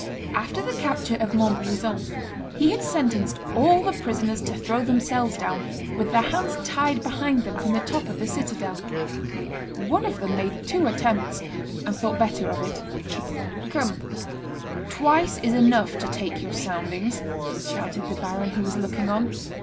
After the capture of Montbrison, he had sentenced all the prisoners to throw themselves down, with their hands tied behind them, from the top of the citadel; one of them made two attempts, and thought better of it; "Come, twice is enough to take your soundings," shouted the baron, who was looking on.